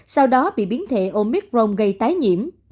sau đó bị biến thể omicron gây tái nhiễm